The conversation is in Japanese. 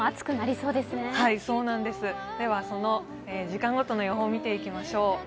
そうなんです、その時間ごとの予報を見ていきましょう。